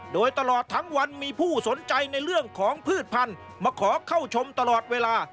โดยตลอดทั้งวันมีผู้สนใจในเรื่องของพืชพันธุ์มาขอเข้าชมตลอดเวลา